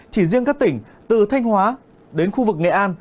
chỉ riêng các tỉnh từ thanh hóa đến khu vực nghệ an